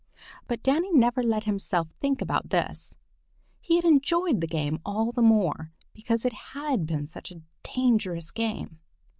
But Danny never let himself think about this. He had enjoyed the game all the more because it had been such a dangerous game.